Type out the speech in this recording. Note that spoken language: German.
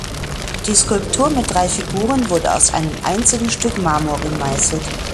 Die Skulptur mit drei Figuren wurde aus einem einzigen Stück Marmor gemeißelt.